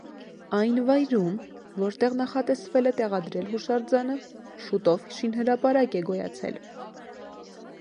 Այն վայրում, որտեղ նախատեսվել է տեղադրել հուշարձանը, շուտով շինհրապարակ է գոյացել։